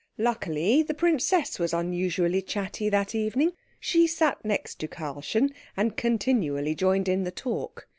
Luckily the princess was unusually chatty that evening. She sat next to Karlchen, and continually joined in the talk.